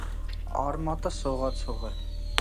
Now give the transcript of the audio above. Արմատը սողացող է։